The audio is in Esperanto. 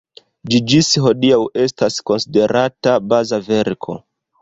Ĝi ĝis hodiaŭ estas konsiderata baza verko.